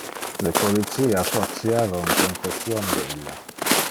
Le policia fortiava un confession de illa.